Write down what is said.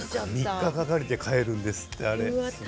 ３日がかりで変えるんですって。